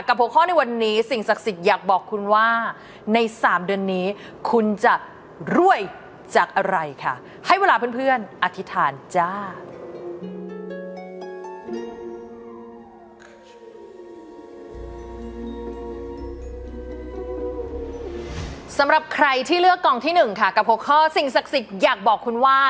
กับหัวข้อในวันนี้สิ่งศักดิ์สิทธิ์อยากบอกคุณว่า